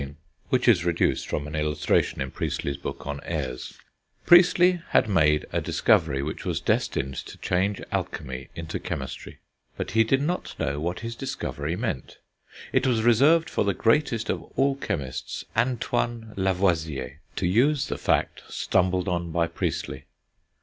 which is reduced from an illustration in Priestley's book on Airs. Priestley had made a discovery which was destined to change Alchemy into Chemistry. But he did not know what his discovery meant. It was reserved for the greatest of all chemists, Antoine Lavoisier, to use the fact stumbled on by Priestley.